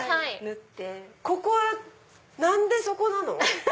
ここは何でそこなの？